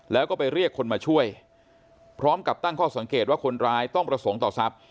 แล้วก็ไปเรียกคนมาช่วยพร้อมกับตั้งข้อสังเกตว่าคนร้ายต้องประสงค์ต่อทรัพย